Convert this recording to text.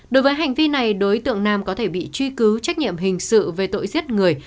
đối với hành vi này đối tượng nam có thể bị truy cứu trách nhiệm hình sự về tội giết người